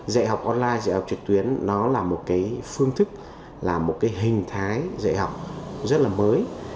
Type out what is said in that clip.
dạy học online dạy học trực tuyến nó là một cái phương thức là một cái hình thái dạy học rất là mới